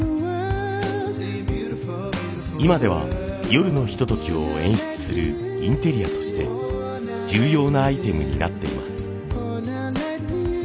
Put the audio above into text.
今では夜のひとときを演出するインテリアとして重要なアイテムになっています。